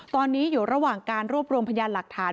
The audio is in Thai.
ตอนนี้อยู่ระหว่างการรวบรวมพยานหลักฐาน